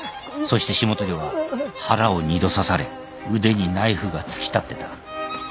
そして霜鳥は腹を２度刺され腕にナイフが突き立ってた。